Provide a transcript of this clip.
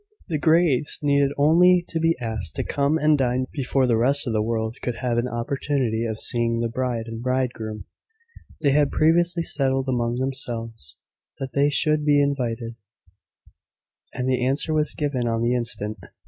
FIRST HOSPITALITY. The Greys needed only to be asked to come and dine before the rest of the world could have an opportunity of seeing the bride and bridegroom. They had previously settled among themselves that they should be invited, and the answer was given on the instant.